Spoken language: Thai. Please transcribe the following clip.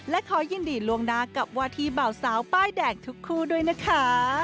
และขอยินดีลวงดากับวาทีเบาสาวป้ายแดงทุกคู่ด้วยนะคะ